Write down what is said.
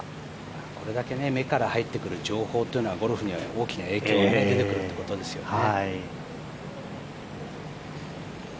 これだけ目から入ってくる情報というのはゴルフには大きな影響を与えるということですよね